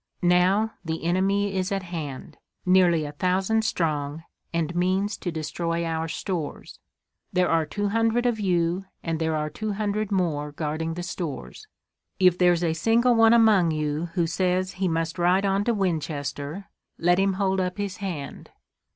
Now the enemy is at hand, nearly a thousand strong, and means to destroy our stores. There are two hundred of you and there are two hundred more guarding the stores. If there's a single one among you who says he must ride on to Winchester, let him hold up his hand."